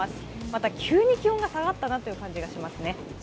また、急に気温が下がったなという感じがしますね。